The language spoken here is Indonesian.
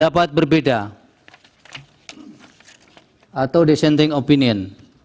dapat berbeda atau dissenting opinion